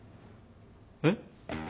えっ？